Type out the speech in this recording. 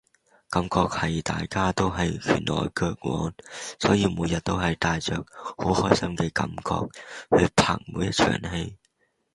感覺係大家都係拳來腳往，所以每日都係帶着好開心嘅感覺去拍每一場戲